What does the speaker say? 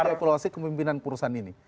patut dievaluasi kemimpinan perusahaan ini